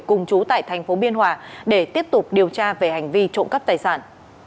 cùng chú tại thành phố biên hòa để tiếp tục điều tra về hành vi trộm cắp tài sản